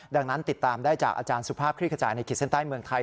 ดังนั้นติดตามได้จากอาจารย์สุภาพคลิกขจายในขีดเส้นใต้เมืองไทย